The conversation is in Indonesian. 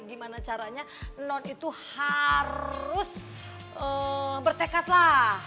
gimana caranya non itu harus bertekadlah